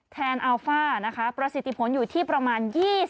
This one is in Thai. แทนอัลฟ่านะคะประสิทธิผลอยู่ที่ประมาณ๒๐